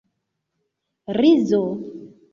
rizo